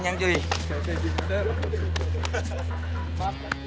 sampai jumpa alex